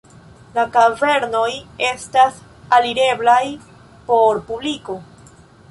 La kavernoj estas alireblaj por publiko.